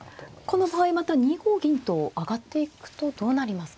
この場合また２五銀と上がっていくとどうなりますか。